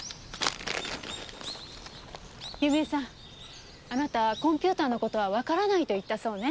弓枝さんあなたコンピューターの事はわからないと言ったそうね。